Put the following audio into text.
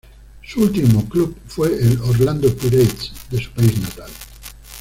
Su último club fue el Orlando Pirates, de su país natal.